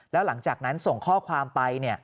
แล้วหลังจากนั้นส่งข้อความไป